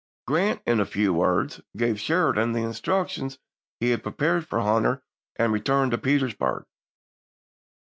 Grant in few words Memoirs." gave Sheridan the instructions he had prepared for P. mo." Hunter and returned to Petersburg.